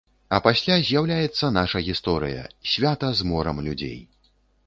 А пасля з'яўляецца наша гісторыя, свята з морам людзей.